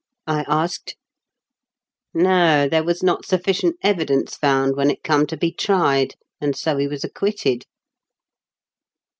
I asked "No, there was not sufl&cient evidence found when it come to be tried ; and so he was acquitted."